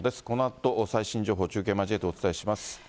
このあと、最新情報を中継を交えてお伝えします。